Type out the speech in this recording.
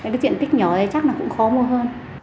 cái diện tích nhỏ thì chắc là cũng khó mua hơn